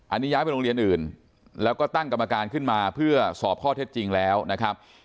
อันนี้ย้ายไปโรงเรียนอื่นแล้วก็ตั้งกรรมการขึ้นมาเพื่อสอบข้อเท็จจริงแล้วนะครับ